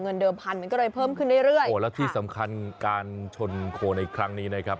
เดิมพันมันก็เลยเพิ่มขึ้นเรื่อยเรื่อยโอ้แล้วที่สำคัญการชนโคในครั้งนี้นะครับ